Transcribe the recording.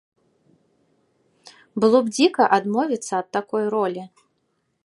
Было б дзіка адмовіцца ад такой ролі.